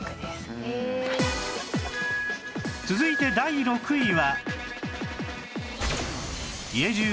続いて第６位は